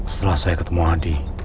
setelah saya ketemu adi